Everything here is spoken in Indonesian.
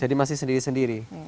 jadi masih sendiri sendiri